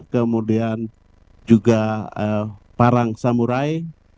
kemudian juga parang samurai